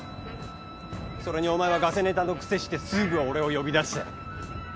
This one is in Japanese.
それにお前はガセネタのくせしてすぐ俺を呼び出して。